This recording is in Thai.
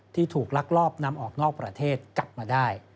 ถูกลักลอบนำออกนอกประเทศกลับมาได้